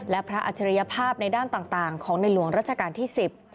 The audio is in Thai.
และพระอัจฉริยภาพในด้านต่างของในหลวงรัชกาลที่๑๐